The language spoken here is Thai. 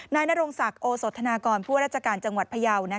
นายนรงศักดิ์โอโสธนากรผู้ราชการจังหวัดพยาว